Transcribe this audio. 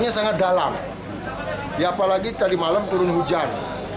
ya apalagi tadi malam turun hujan